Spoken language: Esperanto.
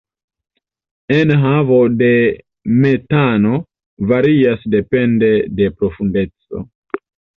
Enhavo de metano varias depende de profundeco.